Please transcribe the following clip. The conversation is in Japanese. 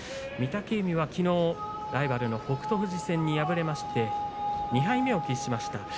御嶽海はきのうはライバルの北勝富士戦に敗れまして２敗目を喫しました。